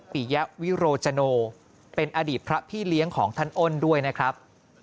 ปียวิโรจโนเป็นอดีตพระพี่เลี้ยงของท่านอ้นด้วยนะครับ